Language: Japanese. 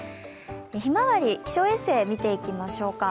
ひまわり、気象衛星を見ていきましょうか。